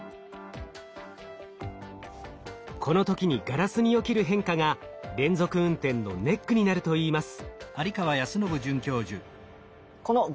この時にガラスに起きる変化が連続運転のネックになるといいます。